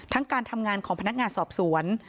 การทำงานของพนักงานสอบสวน